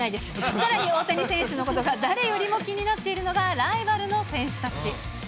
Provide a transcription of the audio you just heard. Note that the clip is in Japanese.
さらに大谷選手のことが誰よりも気になっているのが、ライバルの選手たち。